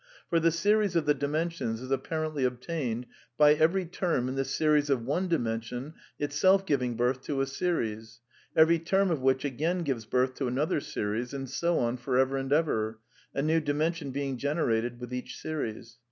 Jjor tne series of the dimensions is apparently obtained by every term in the series of one dimension itself giving birth to a series, every term of which again gives birth to another series, and so on for ever and ever, a new dimension being generated with each series.